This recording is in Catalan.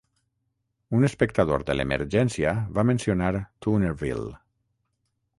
Un espectador de l'Emergència va mencionar Toonerville.